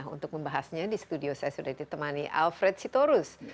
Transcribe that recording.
untuk membahasnya di studio saya sudah ditemani alfred sitorus